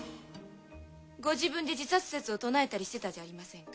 ご自分で自殺説を唱えたりしてたじゃありませんか。